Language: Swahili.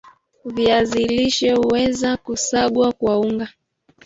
viazi lishe huweza kusagwa kuwa unga